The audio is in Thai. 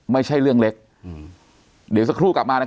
ไม่ใช่เรื่องเล็กอืมเดี๋ยวอีกสักครู่กลับมานะครับ